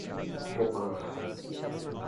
Remanso